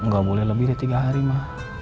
gak boleh lebih dari tiga hari mah